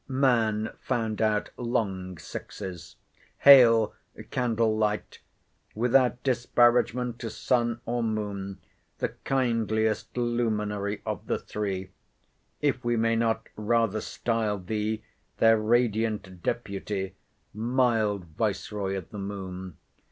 Man found out long sixes.—Hail candle light! without disparagement to sun or moon, the kindliest luminary of the three—if we may not rather style thee their radiant deputy, mild viceroy of the moon!